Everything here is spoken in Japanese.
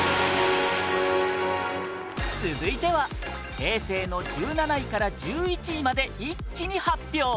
続いては平成の１７位から１１位まで一気に発表